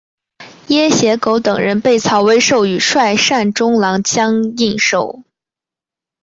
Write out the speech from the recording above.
掖邪狗等人被曹魏授予率善中郎将印绶。